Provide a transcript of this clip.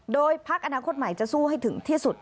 โดยพักอนาคตใหม่จะสู้ให้ถึงที่สุด